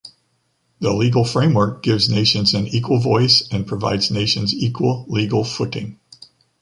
The legal framework gives nations an equal voice and provides nations equal legal footing.